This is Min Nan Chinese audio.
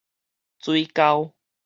水溝